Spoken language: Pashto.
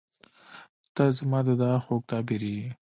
• ته زما د دعا خوږ تعبیر یې.